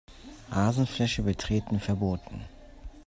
Rasenfläche betreten verboten.